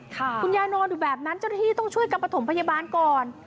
คุณยายนอนอยู่แบบนั้นจริงต้องช่วยกับปฐมพยาบาลก่อน